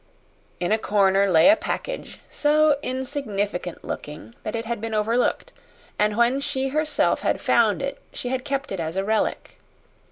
In a corner lay a package so insignificant looking that it had been overlooked, and when she herself had found it she had kept it as a relic.